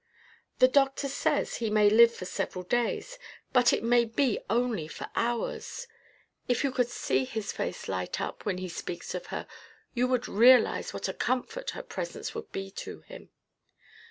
"The doctor says he may live for several days, but it may be only for hours. If you could see his face light up when he speaks of her, you would realize what a comfort her presence would be to him."